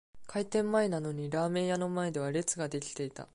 開店前なのにラーメン屋の前では列が出来ていた